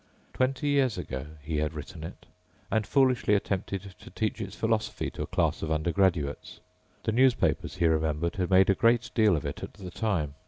Twenty years ago he had written it and foolishly attempted to teach its philosophy to a class of undergraduates. The newspapers, he remembered, had made a great deal of it at the time.